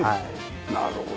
なるほど。